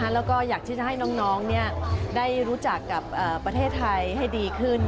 แล้วก็อยากที่จะให้น้องได้รู้จักกับประเทศไทยให้ดีขึ้น